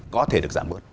có thể được giảm bớt